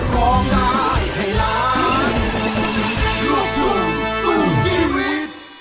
ขอบคุณทุกคนที่ช่วยด้วย